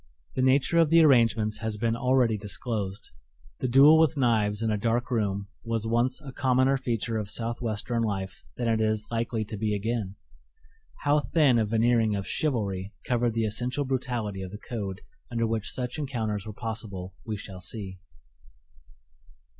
The nature of the arrangements has been already disclosed. The duel with knives in a dark room was once a commoner feature of Southwestern life than it is likely to be again. How thin a veneering of "chivalry" covered the essential brutality of the code under which such encounters were possible we shall see.